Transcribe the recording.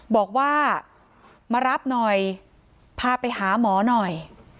บอกว่ามารับหน่อยพาไปหาหมอหน่อย